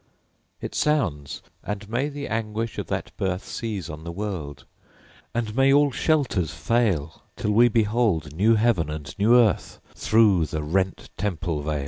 It sounds! And may the anguish of that birth Seize on the world; and may all shelters fail, Till we behold new Heaven and new Earth Through the rent Temple vail!